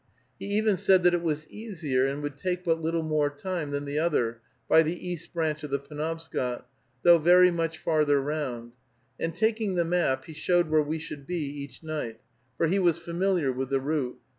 He even said that it was easier, and would take but little more time than the other, by the East Branch of the Penobscot, though very much farther round; and taking the map, he showed where we should be each night, for he was familiar with the route.